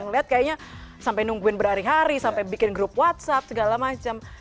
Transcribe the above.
ngeliat kayaknya sampai nungguin berhari hari sampai bikin grup whatsapp segala macam